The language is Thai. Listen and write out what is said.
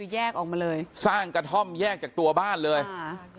แยกออกมาเลยสร้างกระท่อมแยกจากตัวบ้านเลยค่ะ